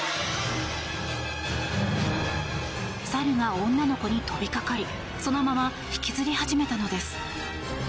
猿が女の子に飛びかかりそのまま引きずり始めたのです。